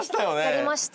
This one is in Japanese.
やりました。